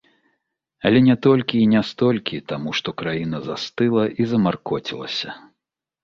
Але не толькі і не столькі таму, што краіна застыла і замаркоцілася.